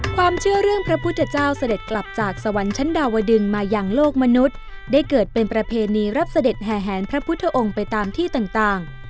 ความเชื่อเรื่องพระพุทธเจ้าเสด็จกลับจากสวรรค์ชั้นดาวดึงมาอย่างโลกมนุษย์ได้เกิดเป็นประเพณีรับเสด็จแห่แหนพระพุทธองค์ไปตามที่ต่าง